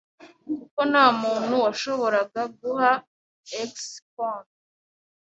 kuko nta muntu washoboraga guha ex-con.